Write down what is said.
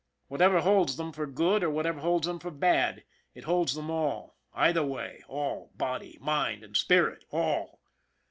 Whatever holds them for good, or whatever holds them for bad, it holds them all, either way, all, body, mind and spirit, all.